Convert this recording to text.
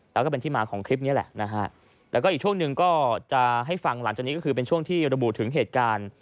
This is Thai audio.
แล้วก็เป็นที่มาของคลิปนี้แหละนะฮะแล้วก็อีกช่วงหนึ่งก็จะให้ฟังหลังจากนี้ก็คือเป็นช่วงที่ระบุถึงเหตุการณ์